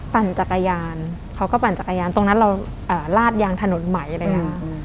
ปั่นจักรยานเขาก็ปั่นจักรยานตรงนั้นเราลาดยางถนนไหมอะไรอย่างนี้